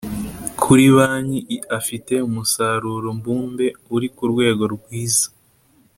Kuri banki afite umusaruro mbumbe uri kurwego rwiza